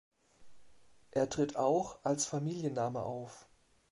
Er tritt auch als Familienname auf.